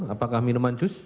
apakah minuman jus